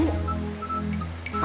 mungkin kena tipu